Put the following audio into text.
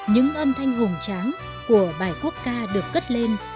những âm thanh hùng tráng của bài quốc ca được cất lên